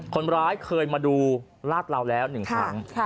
คนร้ายเคยมาดูลาดเหลาแล้ว๑ครั้ง